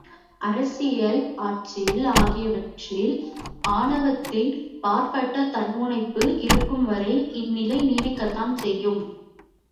அரசியல், ஆட்சியியல் ஆகியவற்றில் ஆணவத்தின் பாற்பட்ட தன்முனைப்பு இருக்கும்வரை இந்தநிலை நீடிக்கத்தான் செய்யும்!